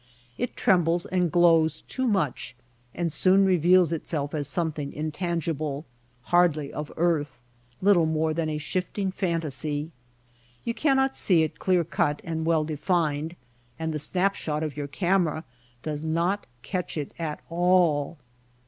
It trembles and glows too much and soon reveals itself as something intangible, hardly of earth, little more than a shifting fan tasy. You cannot see it clear cut and well de fined, and the snap shot of your camera does not catch it at all.